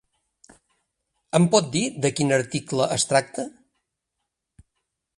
Em pot dir de quin article es tracta?